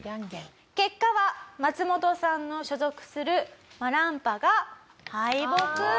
結果はマツモトさんの所属するマランパが敗北。